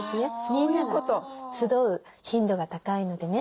みんなが集う頻度が高いのでね。